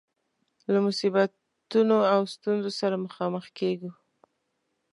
له مصیبتونو او ستونزو سره مخامخ کيږو.